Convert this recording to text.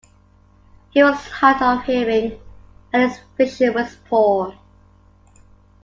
He was hard of hearing and his vision was poor.